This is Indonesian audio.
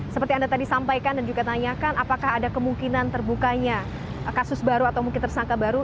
seperti anda tadi sampaikan dan juga tanyakan apakah ada kemungkinan terbukanya kasus baru atau mungkin tersangka baru